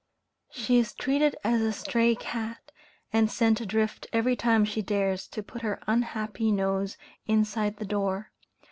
She is treated as a stray cat, and sent adrift every time she dares to put her unhappy nose inside the door.